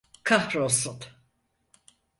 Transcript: Kahrolsun!